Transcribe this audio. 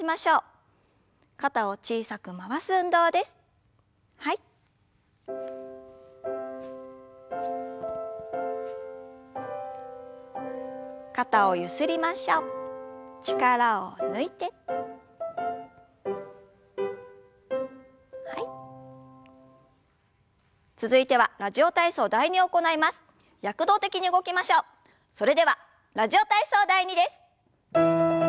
それでは「ラジオ体操第２」です。